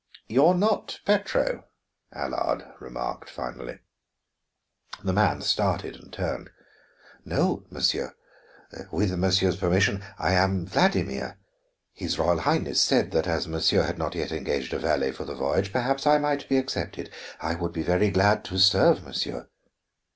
"You are not Petro," Allard remarked finally. The man started and turned. "No, monsieur. With monsieur's permission, I am Vladimir. His Royal Highness said that as monsieur had not yet engaged a valet for the voyage, perhaps I might be accepted. I would be very glad to serve monsieur."